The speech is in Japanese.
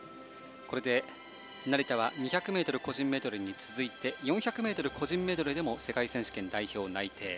これで成田は２００ｍ個人メドレーに続いて４００ｍ個人メドレーでも世界選手権代表内定。